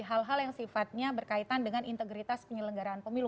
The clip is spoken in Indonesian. hal hal yang sifatnya berkaitan dengan integritas penyelenggaraan pemilu